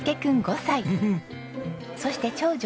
そして長女